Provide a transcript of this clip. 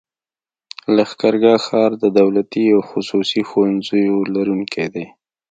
لښکرګاه ښار د دولتي او خصوصي ښوونځيو لرونکی دی.